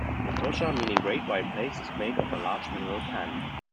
Etosha, meaning 'Great White Place' is made of a large mineral pan.